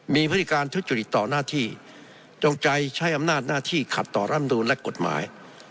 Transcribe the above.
มีพฤติการทุจริตต่อหน้าที่จงใจใช้อำนาจหน้าที่ขัดต่อร่ำนูนและกฎหมาย